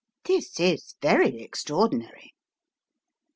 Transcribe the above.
" This is very extra ordinary